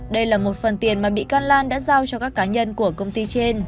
đây là một phần tiền mà bị can lan đã giao cho các cá nhân của công ty trên